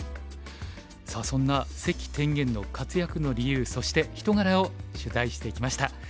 さあそんな関天元の活躍の理由そして人柄を取材してきました。